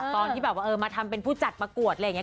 ตอนที่แบบว่ามาทำเป็นผู้จัดประกวดอะไรอย่างนี้